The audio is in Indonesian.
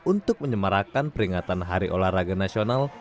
untuk menyemarakan peringatan hari olahraga nasional